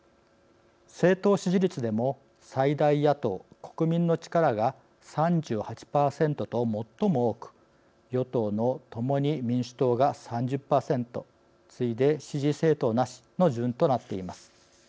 政党支持率でも最大野党「国民の力」が３８％と最も多く与党の「共に民主党」が３０％次いで支持政党なしの順となっています。